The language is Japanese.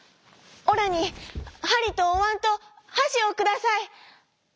オラにはりとおわんとはしをください！」。